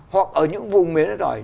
hoặc ở những vùng mới rất giỏi